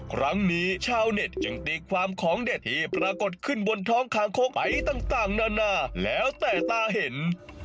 ครั้งนี้ชาวเน็ตยังตีความของเด็ดที่ปรากฏขึ้นบนท้องคางคกไอต่างนานาแล้วแต่ตาเห็น